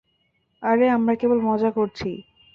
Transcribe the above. আরে, আমরা কেবল মজা করছি।